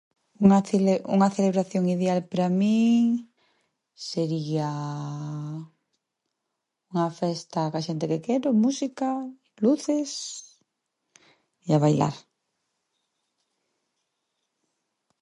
Unha cele- unha celebración ideal pra min sería unha festa ca xente que quero, música, luces e a bailar.